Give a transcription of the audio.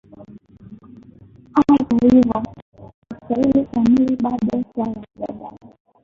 Hata hivyo, istilahi kamili bado suala la mjadala.